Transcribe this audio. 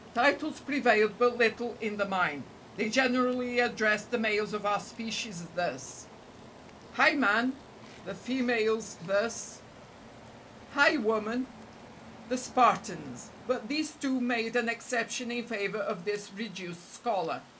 Titles prevailed but little in the mine. They generally addressed the males of our species thus: "Hi! man!" The females thus: "Hi! woman!" The Spartans! but these two made an exception in favor of this reduced scholar.